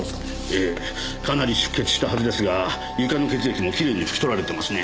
ええかなり出血したはずですが床の血液もきれいに拭き取られてますね。